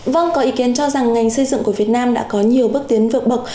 vâng có ý kiến cho rằng ngành xây dựng của việt nam đã có nhiều bước tiến vượt bậc